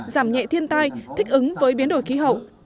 giảm nhẹ thiên tai thích ứng với biến đổi khí hậu